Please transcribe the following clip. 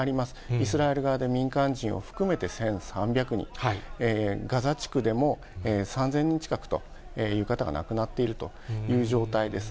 イスラエル側で民間人を含めて１３００人、ガザ地区でも３０００人近くという方が亡くなっているという状態です。